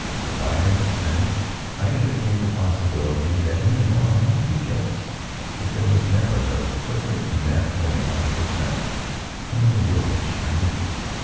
For five minutes, then, I entertained the possibility that Leonora might be jealous; but there was never another flicker in that flame like personality. How in the world should I get it?